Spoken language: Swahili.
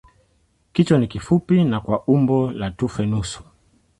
Kichwa ni kifupi na kwa umbo la tufe nusu.